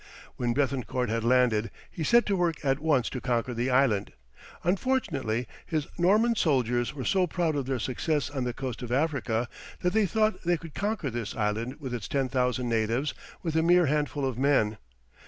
When Béthencourt had landed he set to work at once to conquer the island. Unfortunately his Norman soldiers were so proud of their success on the coast of Africa, that they thought they could conquer this island with its ten thousand natives, with a mere handful of men.